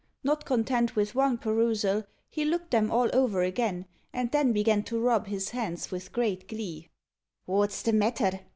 Not content with one perusal, he looked them all over again, and then began to rub his hands with great glee. "Wot's the matter?"